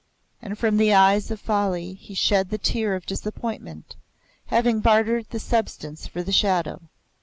And from the eye of folly he shed the tear of disappointment, having bartered the substance for the shadow.